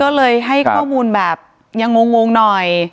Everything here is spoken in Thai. ก็เลยให้ข้อมูลแบบยังงงหน่อย